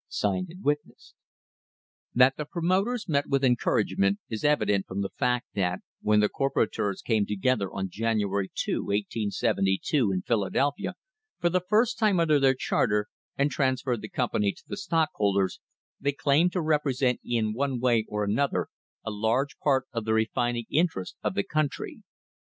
Witness THE RISE OF THE STANDARD OIL COMPANY That the promoters met with encouragement is evident from the fact that, when the corporators came together on January 2, 1872, in Philadelphia, for the first time under their char ter, and transferred the company to the stockholders, they claimed to represent in one way or another a large part of the refining interest of the country.